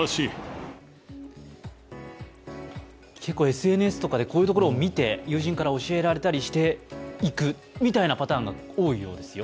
ＳＮＳとかで、こういうところを見て友人から教えられて行くというパターンが多いようですよ。